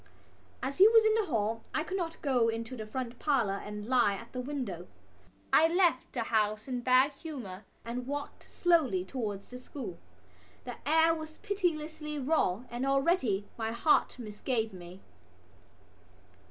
As he was in the hall I could not go into the front parlour and lie at the window. I left the house in bad humour and walked slowly towards the school. The air was pitilessly raw and already my heart misgave me.